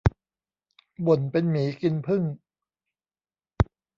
บ่นเป็นหมีกินผึ้ง